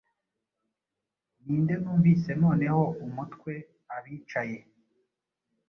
Ninde numvise noneho umutwe-abicaye